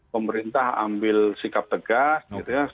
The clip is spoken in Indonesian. pemerintah ambil sikap tegas